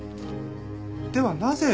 ではなぜ。